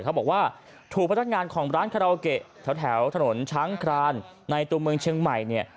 เขาบอกว่าถูกพนักงานของร้านคาราโอเกะแถวถนนช้างครานในตัวเมืองเชียงใหม่เนี่ย